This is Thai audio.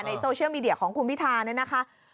โซเชียลมีเดียของคุณพิธาเนี่ยนะคะ